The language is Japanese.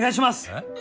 えっ？